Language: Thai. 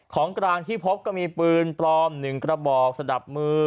ของกลางที่พบก็มีปืนปลอม๑กระบอกสนับมือ